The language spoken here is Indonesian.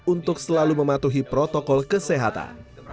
untuk selalu mematuhi protokol kesehatan